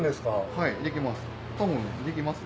はいできます